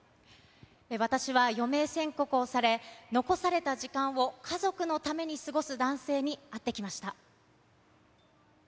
私は余命宣告をされ、残された時間を家族のために過ごす男性に会ってきました。